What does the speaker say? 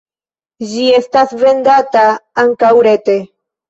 Ĝi estas vendata ankaŭ rete.